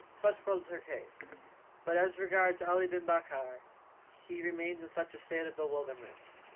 Such was her case; but as regards Ali bin Bakkar he remained in a state of bewilderment.